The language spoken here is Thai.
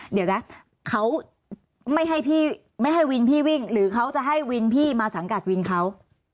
เดี๋ยวนะเขาไม่ให้พี่ไม่ให้วินพี่วิ่งหรือเขาจะให้วินพี่มาสังกัดวินเขา